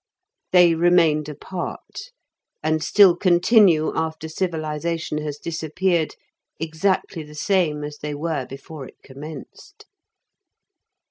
They remained apart, and still continue after civilization has disappeared, exactly the same as they were before it commenced.